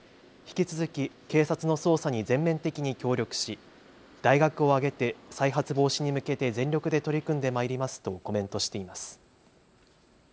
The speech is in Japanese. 引き続き警察の捜査に全面的に協力し大学を挙げて再発防止に向けて全力で取り組んでまいりますとコメントしています。